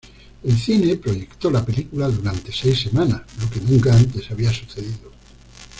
El cine proyectó la película durante seis semanas, lo que nunca antes había sucedido.